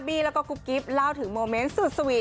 แล้วก็กุ๊บกิ๊บเล่าถึงโมเมนต์สุดสวีท